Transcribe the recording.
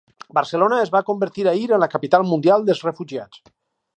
Barcelona es va convertir ahir en la capital mundial dels refugiats.